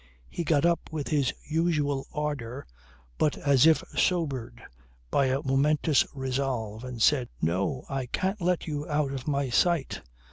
He got up with his usual ardour but as if sobered by a momentous resolve and said: "No. I can't let you out of my sight.